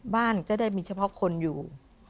บ้านก็ได้มีเฉพาะคนอยู่